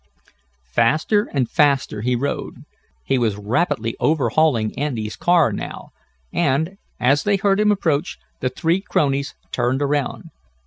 Faster and faster he rode. He was rapidly overhauling Andy's car now, and, as they heard him approach, the three cronies turned around.